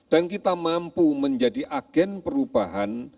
dan kita mampu menjadi agen perubahan